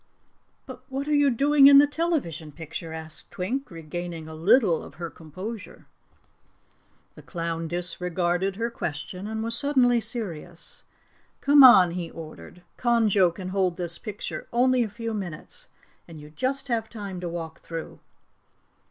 "But what are you doing in the television picture?" asked Twink, regaining a little of her composure. The clown disregarded her question and was suddenly serious. "Come on," he ordered. "Conjo can hold this picture only a few minutes and you just have time to walk through."